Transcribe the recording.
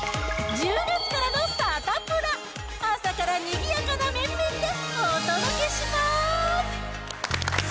１０月からのサタプラ、朝からにぎやかな面々でお届けします。